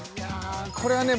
これはね